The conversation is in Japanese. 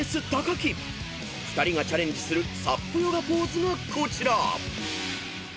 ［２人がチャレンジするＳＵＰヨガポーズがこちら］